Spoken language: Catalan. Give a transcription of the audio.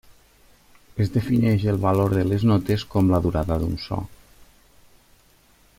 Es defineix el valor de les notes com la durada d'un so.